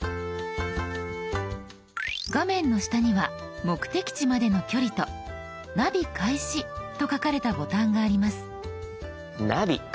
画面の下には目的地までの距離と「ナビ開始」と書かれたボタンがあります。